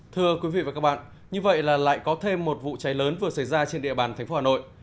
thưa quý vị và các bạn như vậy là lại có thêm một vụ cháy lớn vừa xảy ra trên địa bàn thành phố hà nội